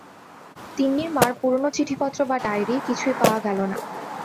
তিন্নির মার পুরোনো চিঠিপত্র বা ডায়েরি, কিছুই পাওয়া গেল না।